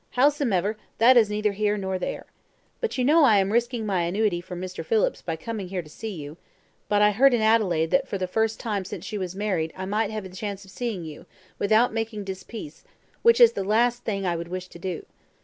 Howsomever, that is neither here nor there. But you know I am risking my annuity from Mr. Phillips by coming here to see you; but I heard in Adelaide that for the first time since you was married I might have the chance of seeing you, without making dispeace, which is the last thing I would wish to do.